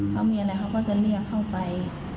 เขามีอะไรเขาก็จะเรียกเข้าไป